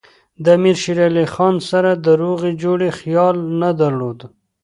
د امیر شېر علي خان سره د روغې جوړې خیال نه درلود.